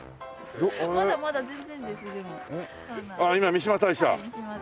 三嶋大社。